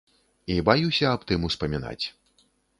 І баюся аб тым успамінаць.